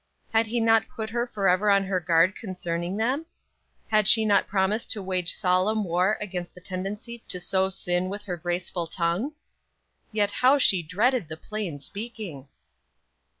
Had he not put her forever on her guard concerning them? Had she not promised to wage solemn war against the tendency to so sin with her graceful tongue? Yet how she dreaded the plain speaking!